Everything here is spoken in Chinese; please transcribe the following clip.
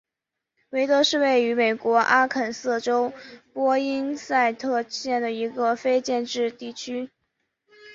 威德是位于美国阿肯色州波因塞特县的一个非建制地区。